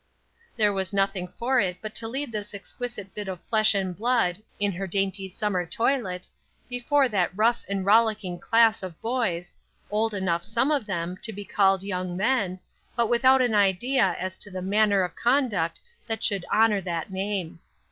There was nothing for it but to lead this exquisite bit of flesh and blood, in her dainty summer toilet, before that rough and rollicking class of boys, old enough, some of them, to be called young men, but without an idea as to the manner of conduct that should honor that name.